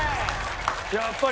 やっぱり。